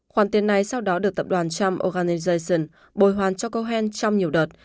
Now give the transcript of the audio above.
khoản tiền này sau đó được tập đoàn trump organijation bồi hoàn cho cohen trong nhiều đợt